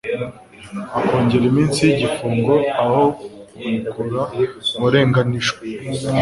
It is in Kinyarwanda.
akongera iminsi y'igifungo aho kurekura uwarenganijwe.